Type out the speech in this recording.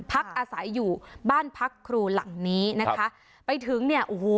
พักอาศัยอยู่บ้านพักครูหลังนี้นะคะไปถึงเนี่ยโอ้โห